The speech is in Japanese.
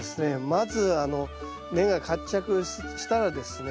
まず根が活着したらですね